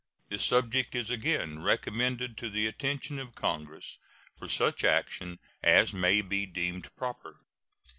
This subject is again recommended to the attention of Congress for such action as may be deemed proper.